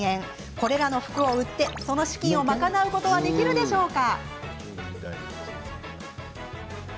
これらの服を売って、その資金を賄うことはできるんでしょうか？